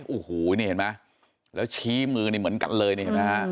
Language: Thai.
โอ้โหนี่เห็นไหมแล้วชี้มือเหมือนกันเลยนะฮะ